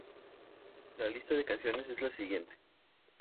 La lista de canciones es la siguiente.